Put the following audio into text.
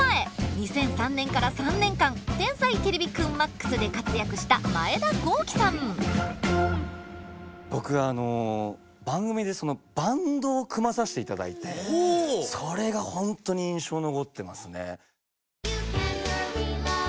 ２００３年から３年間「天才てれびくんＭＡＸ」で活躍した僕は番組でバンドを組まさして頂いてそれがほんとに印象残ってますね。